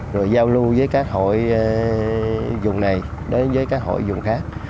rồi giao lưu với các hội dùng này đến với các hội dùng khác